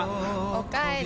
おかえり。